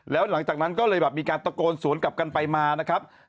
แล้วหลังจากนั้นก็เลยแบบมีการตะโกนสวนกลับกันไปมานะครับ